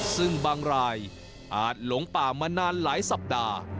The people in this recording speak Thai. ซึ่งบางรายอาจหลงป่ามานานหลายสัปดาห์